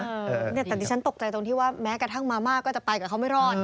แต่ดิฉันตกใจตรงที่ว่าแม้กระทั่งมาม่าก็จะไปกับเขาไม่รอด